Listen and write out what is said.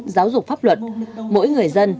giáo dục pháp luật mỗi người dân